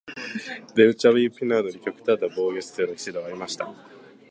ベウチェミン・ピナードに極端な防御姿勢の指導がありました。